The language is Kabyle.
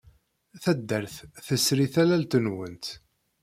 Taddart tesri tallalt-nwent.